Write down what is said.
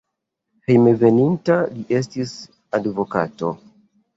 Hejmenveninta li estis advokato.